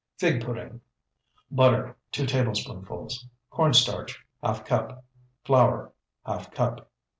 FIG PUDDING Butter, 2 tablespoonfuls. Corn starch, ½ cup. Flour, ½ cup.